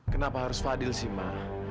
kenapa harus fadhil sih ma